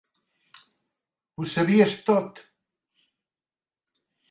Ho sabies tot.